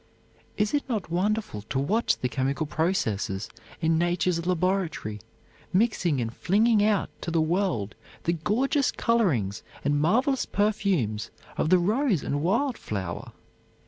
Is it not wonderful to watch the chemical processes in nature's laboratory, mixing and flinging out to the world the gorgeous colorings and marvelous perfumes of the rose and wild flower!